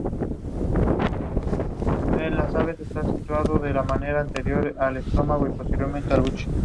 El consumo de carne de perro se remonta a la antigüedad.